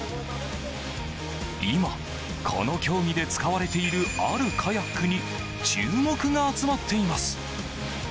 今、この競技で使われているあるカヤックに注目が集まっています。